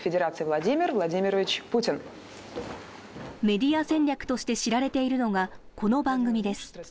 メディア戦略として知られているのが、この番組です。